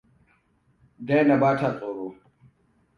Daina ba ta tsoro.